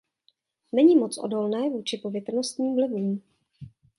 Není moc odolné vůči povětrnostním vlivům.